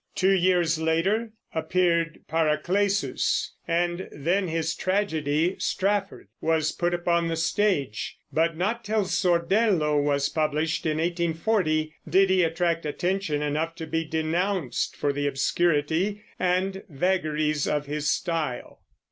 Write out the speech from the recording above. Two years later appeared Paracelsus, and then his tragedy Strafford was put upon the stage; but not till Sordello was published, in 1840, did he attract attention enough to be denounced for the obscurity and vagaries of his style.